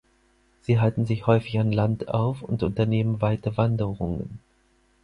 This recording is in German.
Sie halten sich häufig an Land auf und unternehmen weite Wanderungen.